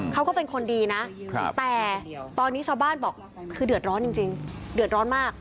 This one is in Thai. เขาก็เป็นคนดีนะแต่ตอนนี้ชาวบ้านบอกคือเดือดร้อนจริงเดือดร้อนมาก